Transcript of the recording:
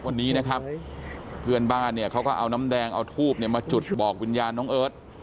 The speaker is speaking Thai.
วันนี้นะครับเพื่อนบ้านเนี่ยเขาก็เอาน้ำแดงเอาทูบเนี่ยมาจุดบอกวิญญาณน้องเอิร์ท